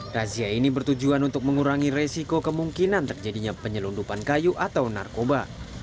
razia ini bertujuan untuk mengurangi resiko kemungkinan terjadinya penyelundupan kayu atau narkoba